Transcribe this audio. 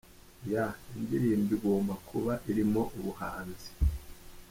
Yeah, indirimbo igomba kuba irimo ubuhanzi.